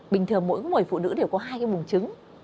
bình thường mỗi mỗi phụ nữ đều có hai cái buông trứng